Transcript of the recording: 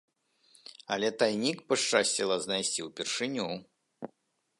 Але тайнік пашчасціла знайсці ўпершыню.